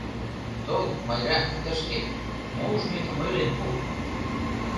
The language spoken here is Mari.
Тол, Майра, тышке, мо ужметым ойлен пу!